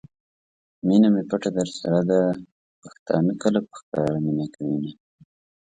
مینه می پټه درسره ده ؛ پښتانه کله په ښکاره مینه کوینه